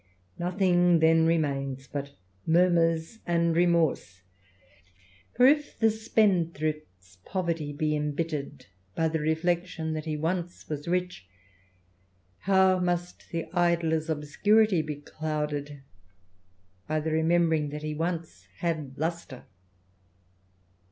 Nothing then remains but murmurs and remorse ; for if the spendthrift's poverty be embittered by the reflection that he once was rich, how must the idler's obscurity be clouded by the remembering that he once had lustre